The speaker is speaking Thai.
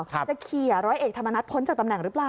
จะขี่ร้อยเอกธรรมนัฐพ้นจากตำแหน่งหรือเปล่า